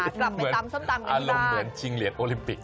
แล้วกลับไปซ้ำตำกันก่อนอารมณ์เหมือนชิงเหลียดโอลิมปิก